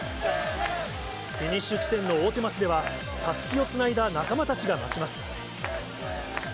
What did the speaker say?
フィニッシュ地点の大手町では、たすきをつないだ仲間たちが待ちます。